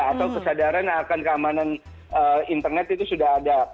atau kesadaran akan keamanan internet itu sudah ada